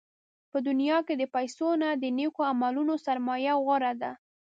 په دنیا کې د پیسو نه، د نېکو عملونو سرمایه غوره ده.